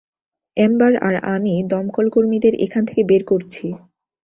Ember আর আমি দমকলকর্মীদের এখান থেকে বের করছি।